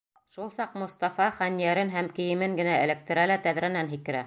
Шул саҡ Мостафа хәнйәрен һәм кейемен генә эләктерә лә тәҙрәнән һикерә.